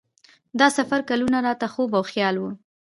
دا سفر کلونه راته خوب او خیال و.